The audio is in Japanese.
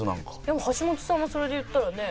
でも橋本さんもそれで言ったらね。